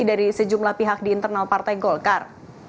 dari sejumlah pihak di internal partai golkar